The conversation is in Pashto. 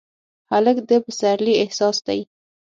هلک د پسرلي احساس دی.